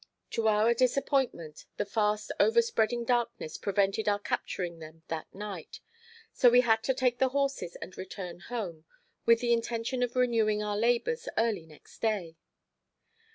To our disappointment, the fast overspreading darkness prevented our capturing them that night, so we had to take the horses and return home, with the intention of renewing our labors early next day.